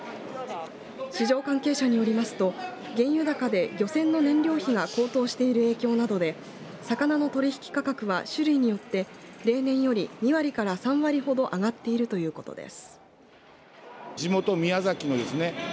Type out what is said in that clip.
市場関係者によりますと原油高で漁船の燃料費が高騰している影響などで魚の取り引き価格は種類によって例年より２割から３割ほど上がっているということです。